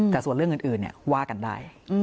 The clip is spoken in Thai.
แต่ส่วนเรื่องอื่นว่ากันได้